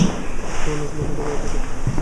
বোন আজ বন্ধুদের বাড়িতে থাকবে।